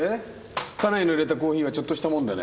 家内の淹れたコーヒーはちょっとしたもんでね。